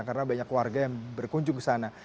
karena banyak warga yang berkunjung ke sana